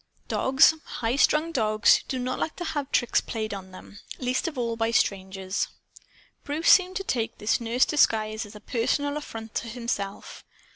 Dogs, high strung dogs, do not like to have tricks played on them; least of all by strangers. Bruce seemed to take the nurse disguise as a personal affront to himself.